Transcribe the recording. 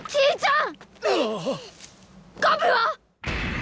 ん？